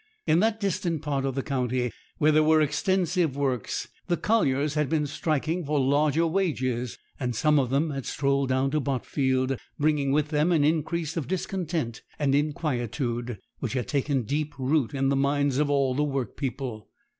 In that distant part of the county, where there were extensive works, the colliers had been striking for larger wages; and some of them had strolled down to Botfield, bringing with them an increase of discontent and inquietude, which had taken deep root in the minds of all the workpeople.